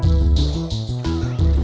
ada bos mumpun